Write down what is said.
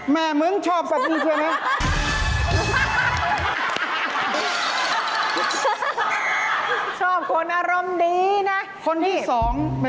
แม่เมิ๊งชอบแบบนี้นี่นะ